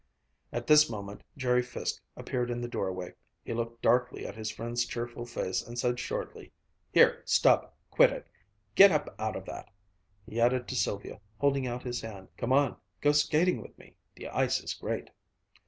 At this moment Jerry Fiske appeared in the doorway. He looked darkly at his friend's cheerful face and said shortly: "Here, Stub quit it! Get up out of that!" He added to Sylvia, holding out his hand: "Come on, go skating with me. The ice is great."